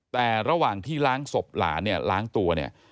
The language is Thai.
แต่ระหว่างที่ล้างศพหลานเนี่ยล้างตัวเนี่ย